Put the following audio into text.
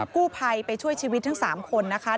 กู้ภัยไปช่วยชีวิตทั้ง๓คนนะคะ